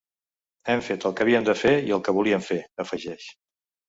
Hem fet el que havíem de fer i el que volíem fer, afegeix.